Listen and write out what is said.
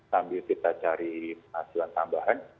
sambil kita cari penghasilan tambahan